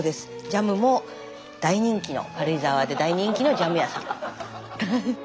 ジャムも大人気の軽井沢で大人気のジャム屋さん。